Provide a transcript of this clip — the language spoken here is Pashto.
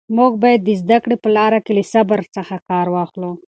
موږ باید د زده کړې په لاره کې له صبر څخه کار واخلو.